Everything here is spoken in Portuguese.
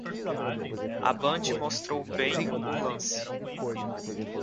A Band mostrou bem o lance.